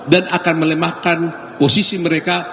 dan akan melemahkan posisi mereka